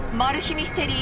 ミステリー